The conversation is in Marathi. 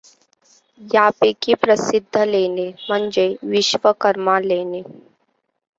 यांपैकी प्रसिद्ध लेणे म्हणजे विश्वकर्मा लेणे.